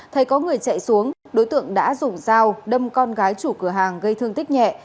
thấy có người chạy xuống đối tượng đã dùng dao đâm con gái chủ cửa hàng gây thương tích nhẹ